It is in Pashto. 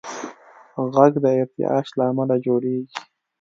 غږ د ارتعاش له امله جوړېږي.